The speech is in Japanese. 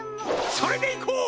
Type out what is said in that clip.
それでいこう！